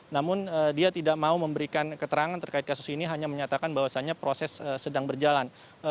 namun dia tidak mau memberikan keterangan terkait kasus ini hanya menyatakan bahwasannya proses sedang berjalan